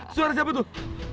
suara siapa tuh